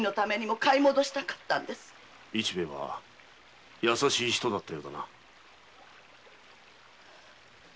市兵衛は優しい人だったようだな。